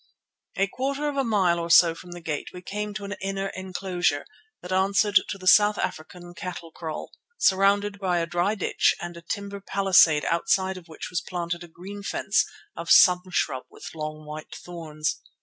A quarter of a mile or so from the gate we came to an inner enclosure, that answered to the South African cattle kraal, surrounded by a dry ditch and a timber palisade outside of which was planted a green fence of some shrub with long white thorns.